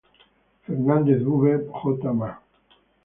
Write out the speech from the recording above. Fernandez V., J. Ma.